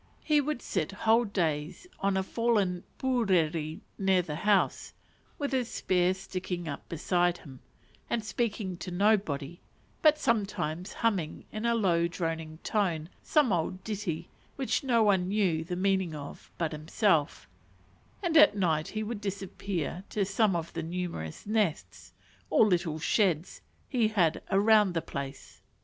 He would sit whole days on a fallen puriri near the house, with his spear sticking up beside him, and speaking to no one, but sometimes humming in a low droning tone some old ditty which no one knew the meaning of but himself, and at night he would disappear to some of the numerous nests, or little sheds, he had around the place.